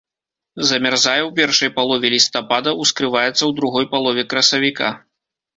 Замярзае ў першай палове лістапада, ускрываецца ў другой палове красавіка.